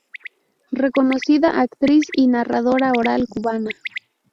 Reconocida actriz y narradora oral cubana.